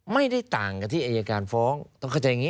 ไม่ได้ต่างกับที่อายการฟ้องต้องเข้าใจอย่างนี้